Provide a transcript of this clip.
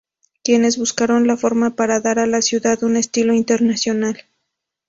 Quienes buscaron la forma para dar a la ciudad un estilo internacional.